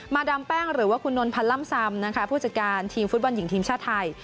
ดามแป้งหรือว่าคุณนนพันธ์ล่ำซำนะคะผู้จัดการทีมฟุตบอลหญิงทีมชาติไทย